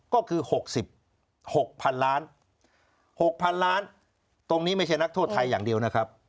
ก็คือ๖๖๐๐๐ล้าน๖๐๐๐ล้านตรงนี้ไม่ใช่นักโทษไทยอย่างเดียวนะครับ